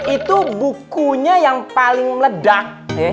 itu bukunya yang paling meledak